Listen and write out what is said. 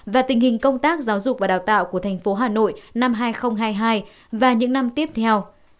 và tình hình công tác giáo dục và đào tạo của thành phố hà nội năm hai nghìn hai mươi hai và những năm tiếp theo